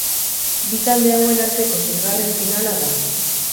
Bi talde hauen arteko seigarren finala da.